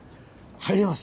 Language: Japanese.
入れます。